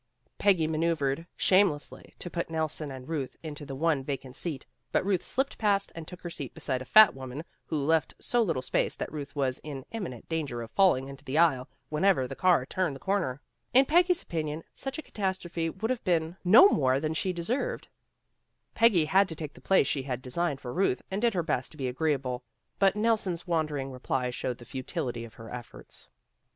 Peggy maneuvered shamelessly to put Nelson and Ruth into the one vacant seat, but Ruth slipped past and took her seat beside a fat woman, who left so little space that Ruth was in imminent danger of falling into the aisle, whenever the car turned the corner. In Peggy 's opinion such a catastrophe would have been no more than 182 PEGGY RAYMOND'S WAY she deserved. Peggy had to take the place she had designed for Ruth, and did her best to be agreeable, but Nelson's wandering replies showed the futility of her efforts.